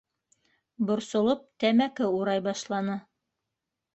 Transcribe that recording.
Борсолоп, тәмәке урай башланы.